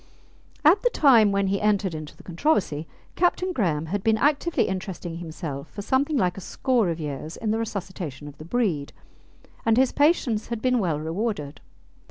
At the time when he entered into the controversy, Captain Graham had been actively interesting himself for something like a score of years in the resuscitation of the breed, and his patience had been well rewarded.